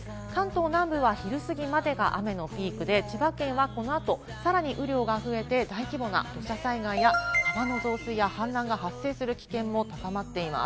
関東南部は昼すぎまでが雨のピークで、千葉県はこの後、さらに雨量が増えて、大規模な土砂災害や川の増水や氾濫が発生する危険も高まっています。